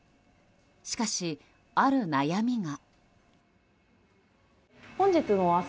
しかし、ある悩みが。